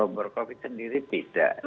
kalau bor covid sendiri tidak